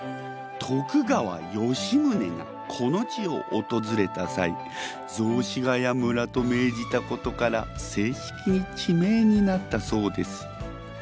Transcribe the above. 徳川吉宗がこの地をおとずれたさい雑司ヶ谷村と命じたことから正式に地名になったそうです。